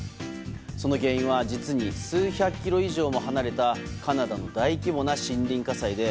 その原因は実に数百キロ以上も離れたカナダの大規模な森林火災で